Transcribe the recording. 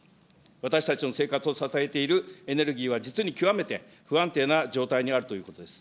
私たちの生活を支えているエネルギーは実に極めて不安定な状態にあるということです。